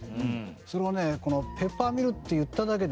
それをねこのペッパーミルって言っただけでね